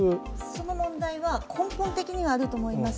その問題は根本的にはあると思います。